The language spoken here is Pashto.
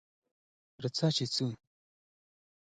ارڅه چې څو